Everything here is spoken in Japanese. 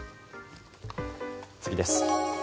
次です。